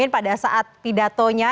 pada saat pidatonya